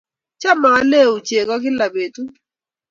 Cham alue chego gila petut